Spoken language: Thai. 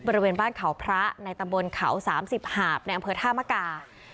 บริเวณบ้านเขาพระในตำบลเขา๓๐หาบในอำเภอท่ามกา